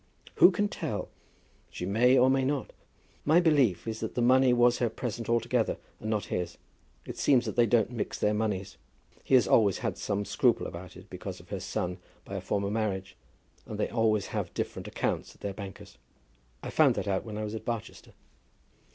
"Who can tell? She may or she may not. My belief is that the money was her present altogether, and not his. It seems that they don't mix their moneys. He has always had some scruple about it because of her son by a former marriage, and they always have different accounts at their bankers'. I found that out when I was at Barchester."